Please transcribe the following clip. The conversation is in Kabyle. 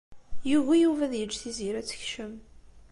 Yugi Yuba ad yeǧǧ Tiziri ad tekcem.